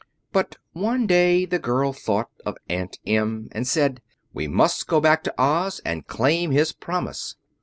But one day the girl thought of Aunt Em, and said, "We must go back to Oz, and claim his promise."